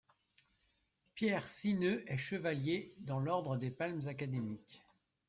Pierre Sineux est chevalier dans l'ordre des Palmes académiques.